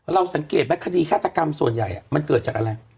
สังเกตไหมคดีฆาตกรรมส่วนใหญ่มันเกิดจากอะไร